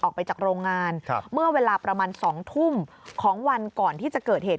ออกไปจากโรงงานเมื่อเวลาประมาณ๒ทุ่มของวันก่อนที่จะเกิดเหตุ